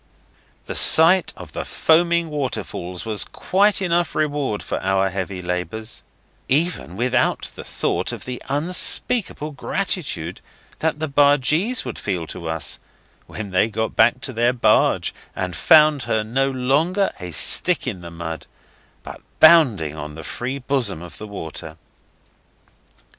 The sight of the foaming waterfalls was quite enough reward for our heavy labours, even without the thought of the unspeakable gratitude that the bargees would feel to us when they got back to their barge and found her no longer a stick in the mud, but bounding on the free bosom of the river.